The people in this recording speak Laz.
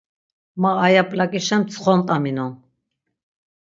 Ma aya p̌lakişen ptsxontaminon.